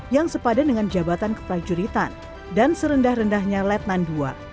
yang sepadan dengan jabatan keprajuritan dan serendah rendahnya letnan ii